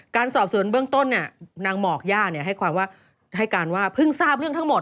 การสอบสวนเบื้องต้นนางหมอกย่าให้การว่าเพิ่งทราบเรื่องทั้งหมด